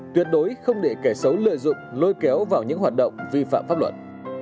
tuyệt đối không để kẻ xấu lợi dụng lôi kéo vào những hoạt động vi phạm pháp luật